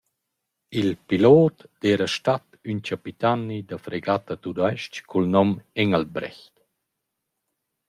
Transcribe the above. Il pilot d’eira stat ün chapitani da fregatta tudais-ch cul nom Engelbrecht.